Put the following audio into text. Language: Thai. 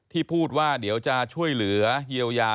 พูดว่าเดี๋ยวจะช่วยเหลือเยียวยา